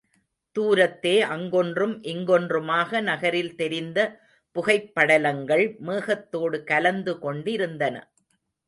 தூரத்தே அங்கொன்றும் இங்கொன்றுமாக நகரில் தெரிந்த புகைப் படலங்கள் மேகத்தோடு கலந்து கொண்டிருந்தன.